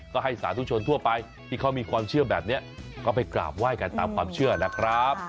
ก็ให้สาธุชนทั่วไปที่เขามีความเชื่อแบบนี้ก็ไปกราบไหว้กันตามความเชื่อนะครับ